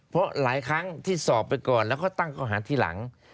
เพราะหลายครั้งที่สอบไปก่อนแล้วเขาตั้งข้อหาทีหลัง